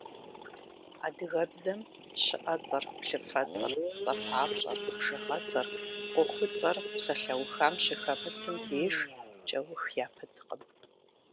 Адыгэбзэм щыӏэцӏэр, плъыфэцӏэр, цӏэпапщӏэр, бжыгъэцӏэр, ӏуэхуцӏэр псалъэухам щыхэмытым деж кӏэух япыткъым.